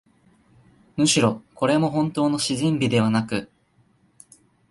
むしろ、これもほんとうの自然美ではなく、